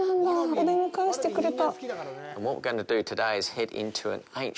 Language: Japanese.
お出迎えしてくれた。